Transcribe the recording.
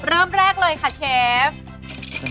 เริ่มแรกเลยค่ะเชฟ